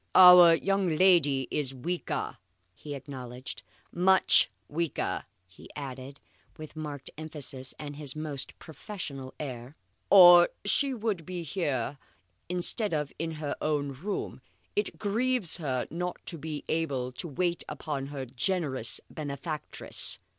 "Our young lady is weaker," he acknowledged. "Much weaker," he added with marked emphasis and his most professional air, "or she would be here instead of in her own room. It grieves her not to be able to wait upon her generous benefactress."